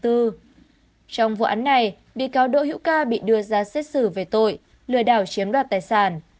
trong vụ án này bị cáo đỗ hữu ca bị đưa ra xét xử về tội lừa đảo chiếm đoạt tài sản